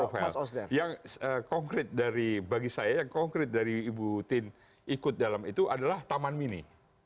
yang konkret dari bagi saya yang konkret dari ibu tien ikut dalam itu adalah taman mini